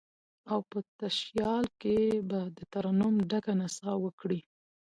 او په تشیال کې به، دترنم ډکه نڅا وکړي